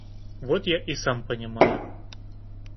Вот я и сам понимаю.